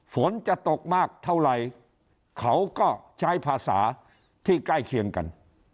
ฝนจะตกมากเท่าไหร่เขาก็ใช้ภาษาที่ใกล้เคียงกัน